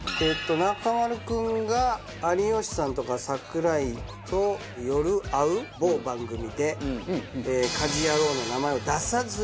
中丸君が有吉さんとか櫻井と夜会う某番組で『家事ヤロウ！！！』の名前を出さずに。